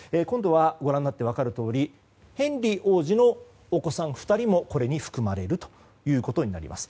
ご覧になって分かるとおりヘンリー王子のお子さん２人もこれに含まれることになります。